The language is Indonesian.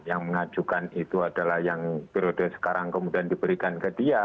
yang mengajukan itu adalah yang periode sekarang kemudian diberikan ke dia